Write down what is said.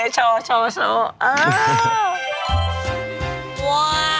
โชว์